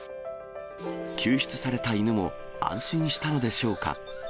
救出された犬も、安心したのでしょうか。